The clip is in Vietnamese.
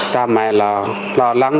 cha mẹ là lo lắng